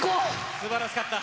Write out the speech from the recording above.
すばらしかった。